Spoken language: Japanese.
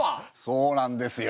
そうなんですよ。